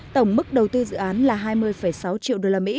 tổng mức đầu tư dự án là hai mươi sáu triệu usd